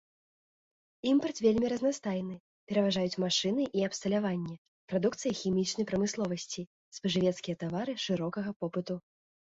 Імпарт вельмі разнастайны, пераважаюць машыны і абсталяванне, прадукцыя хімічнай прамысловасці, спажывецкія тавары шырокага попыту.